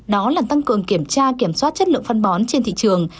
đó là tăng cường kiểm tra kiểm soát chất lượng phân bón trên thị trường